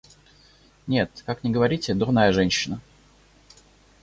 Нет, как ни говорите, дурная женщина.